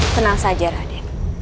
tenang saja raden